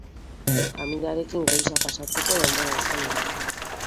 Familiarekin goiza pasatzeko denbora izan nuen.